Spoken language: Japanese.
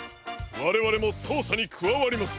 われわれもそうさにくわわります。